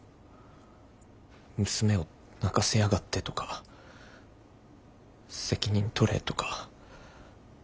「娘を泣かせやがって」とか「責任とれ」とか。